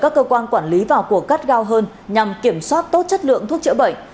các cơ quan quản lý vào cuộc cắt gao hơn nhằm kiểm soát tốt chất lượng thuốc chữa bệnh